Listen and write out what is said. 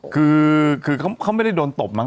คือเขาไม่ได้โดนตบมั